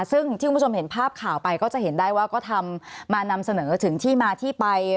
ซึ่งที่คุณผู้ชมเห็นภาพข่าวไปก็จะเห็นได้ว่าก็ทำมานำเสนอถึงที่มาที่ไป